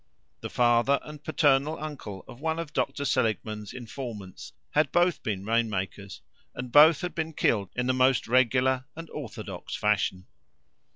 The father and paternal uncle of one of Dr. Seligman's informants had both been rain makers and both had been killed in the most regular and orthodox fashion.